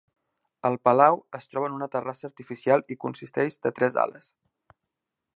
El "palau" es troba en una terrassa artificial i consisteix de tres ales.